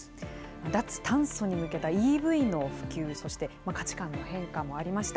脱炭素に向けたＥＶの普及、そして価値観の変化もありました。